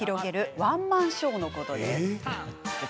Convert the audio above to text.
ワンマンショーのこと。